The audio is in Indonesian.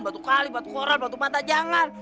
batu kali batu koran batu mata jangan